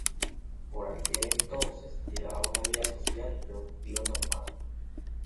Por aquel entonces llevaba una vida social y productiva normal.